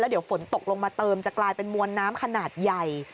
เดี๋ยวฝนตกลงมาเติมจะกลายเป็นมวลน้ำขนาดใหญ่